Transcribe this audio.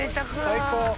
最高。